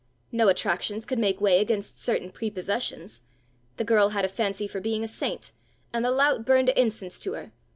No attractions could make way against certain prepossessions! The girl had a fancy for being a saint, and the lout burned incense to her!